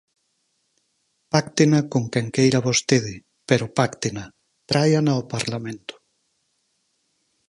Páctena con quen queira vostede, pero páctena, tráiana ao Parlamento.